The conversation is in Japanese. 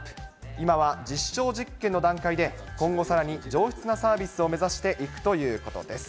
今は実証実験の段階で、今後さらに上質なサービスを目指していくということです。